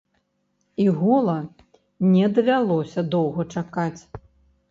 І гола не давялося доўга чакаць.